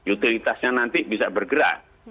utilitasnya nanti bisa bergerak